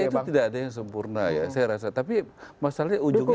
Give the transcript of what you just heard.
itu tidak ada yang sempurna ya saya rasa tapi masalahnya ujungnya